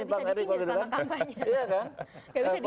bisa di sini selama kampanye